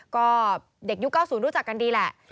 ก็เด็กยุค๙๐รู้จักกันดีแหละ